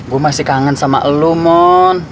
gue masih kangen sama elu mon